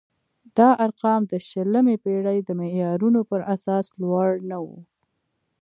دا ارقام د شلمې پېړۍ د معیارونو پر اساس لوړ نه وو.